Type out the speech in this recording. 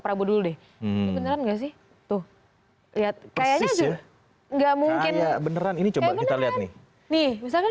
prabu dulu deh beneran gak sih tuh lihat kayaknya gak mungkin ini coba kita lihat nih nih misalkan